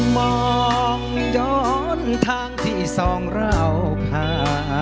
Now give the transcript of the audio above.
มองย้อนทางที่สองเราขา